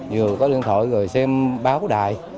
vừa có điện thoại rồi xem báo đài